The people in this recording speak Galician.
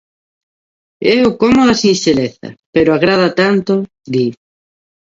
É o colmo da sinxeleza, pero agrada tanto, di.